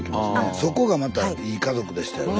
そこがまたいい家族でしたよね。